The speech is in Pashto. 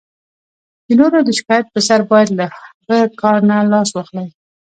د نورو د شکایت په سر باید له هغه کار نه لاس واخلئ.